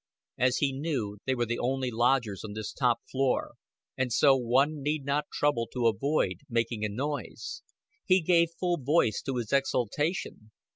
As he knew, they were the only lodgers on this top floor; and so one need not even trouble to avoid making a noise. He gave full voice to his exultation.